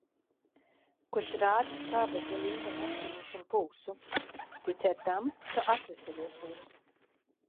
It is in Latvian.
Kurš rāda skābekļa līmeni asinīs un pulsu. Ticēt tam, ka atveseļosies.